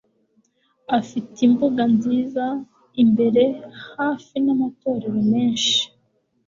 afite imbuga nziza imbere hamwe n'amatorero menshi